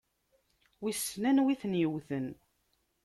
Wissen anwa i ten-yewwten?